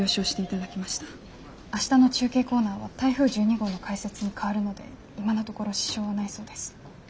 明日の中継コーナーは台風１２号の解説に変わるので今のところ支障はないそうです。